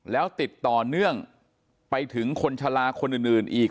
แล้วติดต่อเนื่องไปถึงคนชะลาคนอื่นอีก